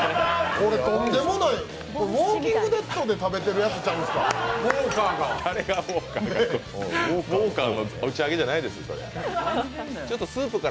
これとんでもないよ、これ、「ウォーキングデッド」で食べてるやつちゃうんですか？